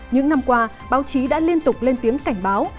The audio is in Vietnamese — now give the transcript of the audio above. những năm qua báo chí đã liên tục lên tiếng cảnh báo